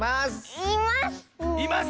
います。